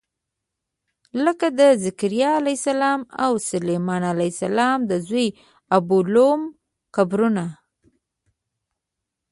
لکه د ذکریا علیه السلام او د سلیمان علیه السلام د زوی ابولوم قبرونه.